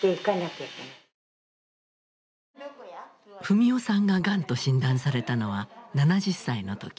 史世さんががんと診断されたのは７０歳の時。